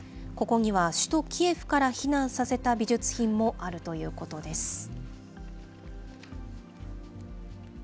ここには首都キエフから避難させた美術品もあるということです。